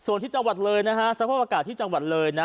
ส่วนที่จังหวัดเลยนะฮะสภาพอากาศที่จังหวัดเลยนะ